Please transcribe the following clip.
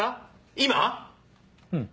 今⁉うん。